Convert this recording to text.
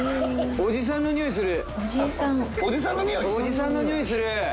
おじさんのニオイする。